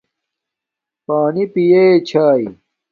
پݳنݵ پیݺ چھݳئݺ؟